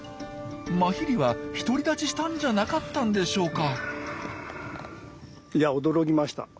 マヒリは独り立ちしたんじゃなかったんでしょうか？